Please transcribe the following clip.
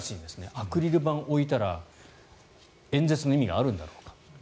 アクリル板を置いたら演説の意味があるんだろうかと。